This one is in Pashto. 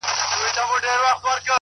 هر منزل له ثبات سره نږدې کېږي,